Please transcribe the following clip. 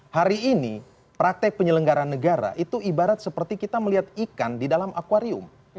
hari ini praktek penyelenggaran negara itu ibarat seperti kita melihat ikan di dalam akwarium